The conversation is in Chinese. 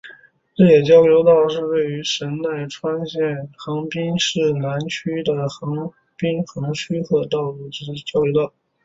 日野交流道是位于神奈川县横滨市南区的横滨横须贺道路之交流道。